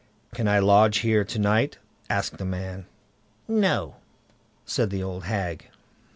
"Can I lodge here to night?" asked the man. "No", said the old hag.